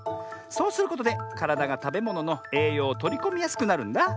そうすることでからだがたべもののえいようをとりこみやすくなるんだあ。